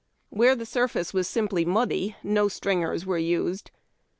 Wliere the surface was simply muddy, no string ers were used.